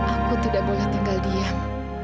aku tidak boleh tinggal diam